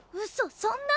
そんな！